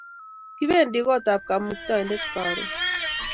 Kipendi kot ab kamuktaindet karun